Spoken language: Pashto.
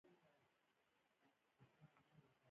وسله د قانون سره محدودېږي